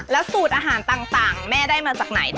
แล้วสูตรอาหารต่างแม่ได้มาจากไหน